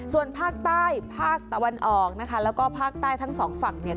ส่วนภาคใต้ภาคตะวันออกนะคะแล้วก็ภาคใต้ทั้งสองฝั่งเนี่ย